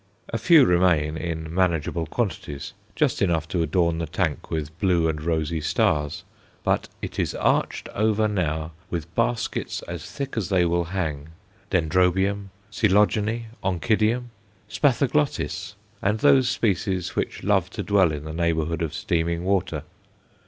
A few remain, in manageable quantities, just enough to adorn the tank with blue and rosy stars; but it is arched over now with baskets as thick as they will hang Dendrobium, Coelogene, Oncidium, Spathoglottis, and those species which love to dwell in the neighbourhood of steaming water.